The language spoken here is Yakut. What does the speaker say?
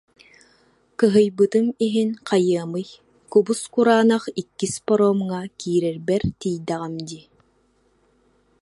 Кыһыйбытым иһин, хайыамый, кубус-кураанах иккис паромҥа киирэрбэр тиийдэҕим дии